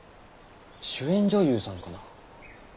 主演女優さんかな。